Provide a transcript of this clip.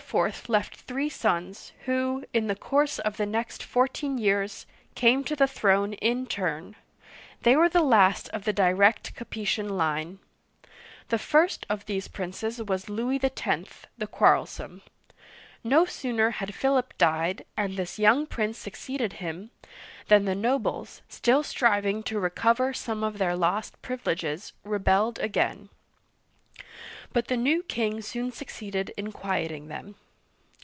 left three sons, who, in the course of the next fourteen years, came to the throne in turn ; they were the last of the direct Capetian line. The first of these princes was Louis X., the Quarrelsome. No sooner had Philip died, and this young prince succeeded him, than the nobles — still striving to recover some of their lost privi leges — rebelled again. But the new king soon succeeded in quieting them.